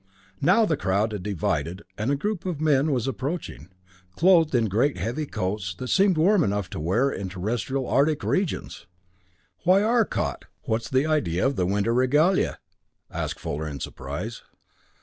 Now, the crowd had divided, and a group of men was approaching, clothed in great heavy coats that seemed warm enough to wear in Terrestrial arctic regions! "Why Arcot what's the idea of the winter regalia?" asked Fuller in surprise.